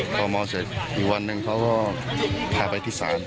พอเมาเสร็จอีกวันหนึ่งเขาก็พาไปที่ศาล